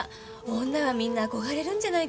女はみんな憧れるんじゃないかしら。